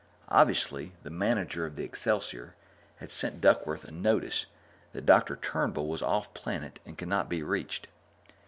Obviously, the manager of the Excelsior had sent Duckworth a notice that Dr. Turnbull was off planet and could not be reached.